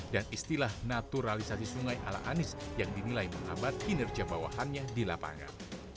dan istilah naturalisasi sungai ala anies yang dinilai mengabad kinerja bawahannya di lapangan